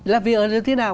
là vì ở nơi thế nào